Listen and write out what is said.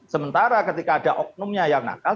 sementara ketika ada oknumnya yang nakal